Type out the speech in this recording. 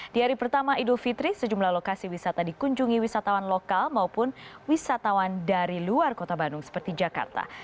di hari pertama idul fitri sejumlah lokasi wisata dikunjungi wisatawan lokal maupun wisatawan dari luar kota bandung seperti jakarta